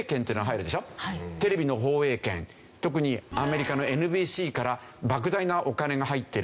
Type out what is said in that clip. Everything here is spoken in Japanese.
特にアメリカのＮＢＣから莫大なお金が入ってる。